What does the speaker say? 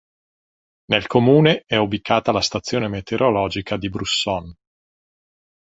Nel comune è ubicata la stazione meteorologica di Brusson.